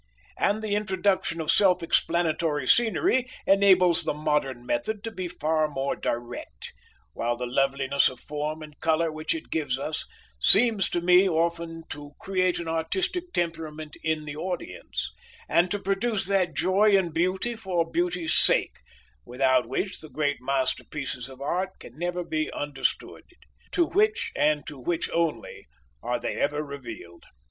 And the introduction of self explanatory scenery enables the modern method to be far more direct, while the loveliness of form and colour which it gives us, seems to me often to create an artistic temperament in the audience, and to produce that joy in beauty for beauty's sake, without which the great masterpieces of art can never be understood, to which, and to which only, are they ever revealed.